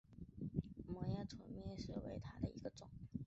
膜叶土蜜树为大戟科土蜜树属下的一个种。